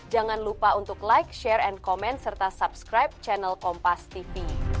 jangan lupa untuk like share and comment serta subscribe channel kompas tv